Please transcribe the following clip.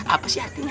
apa sih artinya